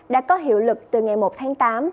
đã có hiệu lực từ ngày một tháng tám